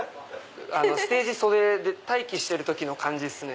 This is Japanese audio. ステージ袖で待機してる時の感じっすね。